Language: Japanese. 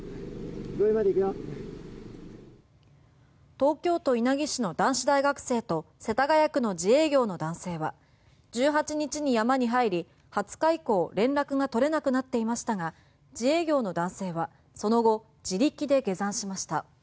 東京都稲城市の男子大学生と世田谷区の自営業の男性は１８日に山に入り２０日以降連絡が取れなくなっていましたが自営業の男性はその後、自力で下山しました。